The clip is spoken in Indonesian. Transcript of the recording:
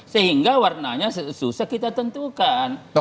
sehingga warnanya susah kita tentukan